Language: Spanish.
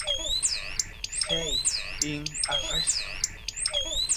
Sei in arresto".